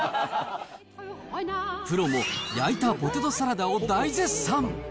プロも焼いたポテトサラダを大絶賛。